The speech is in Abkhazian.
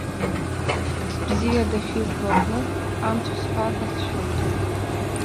Бзиа дахьызбо аҟнытә, амцхә сҳәар ҳәа сшәоит.